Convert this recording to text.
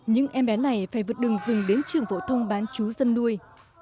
những em bé này phải vượt đường rừng đến trường phổ thông bán chú dân nuôi